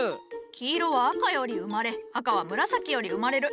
「黄色は赤より生まれ赤は紫より生まれる」